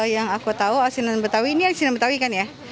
yang aku tahu asinan betawi ini asinan betawi kan ya